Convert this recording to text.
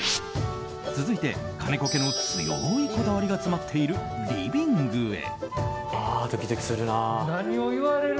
続いて、金子家の強いこだわりが詰まっているリビングへ。